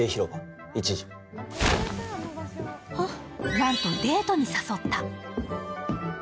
なんと、デートに誘った。